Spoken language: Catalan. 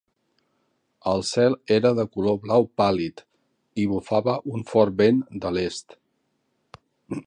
El cel era de color blau pàl·lid i bufava un fort vent de l'est